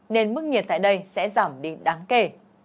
nên mức nhiệt tại đây sẽ giảm đi đáng kể